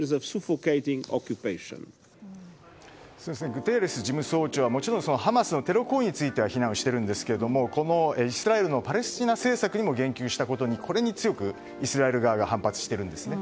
グテーレス事務総長はもちろんハマスのテロ行為については非難をしているんですがイスラエルのパレスチナ政策にも言及したことにこれに強く、イスラエル側が反発しているんですね。